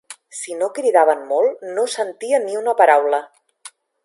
Si no cridaven molt no sentia ni una paraula